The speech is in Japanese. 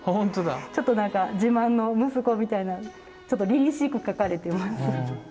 ちょっと何か自慢の息子みたいなちょっとりりしく描かれてます。